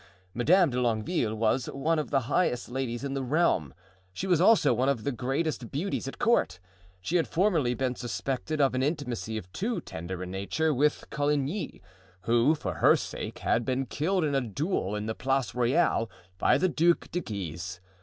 Madame de Longueville was one of the highest ladies in the realm; she was also one of the greatest beauties at court. She had formerly been suspected of an intimacy of too tender a nature with Coligny, who, for her sake, had been killed in a duel, in the Place Royale, by the Duc de Guise.